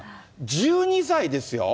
１２歳ですよ。